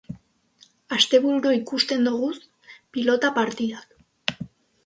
Astebururo ikusten doguz pilota partidak